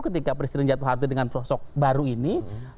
ketika presiden jatuh hati dengan pelosok baru ini